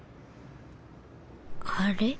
あれ？